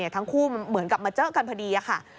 ทั้งคู่เหมือนกับมาเจอกันพอดีค่ะ